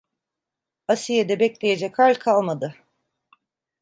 Asiye'de bekleyecek hal kalmadı.